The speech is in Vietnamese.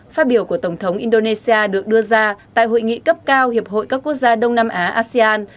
phát biểu của tổng thống indonesia được đưa ra tại hội nghị cấp cao hiệp hội các quốc gia đông nam á asean